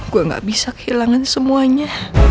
gue gak bisa kehilangan semuanya